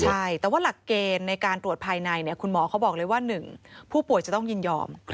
ใช่แต่ว่าหลักเกณฑ์ในการตรวจภายในคุณหมอเขาบอกเลยว่า๑ผู้ป่วยจะต้องยินยอม